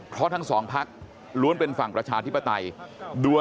เพราะทั้งสองพักล้วนเป็นฝั่งประชาธิปไตย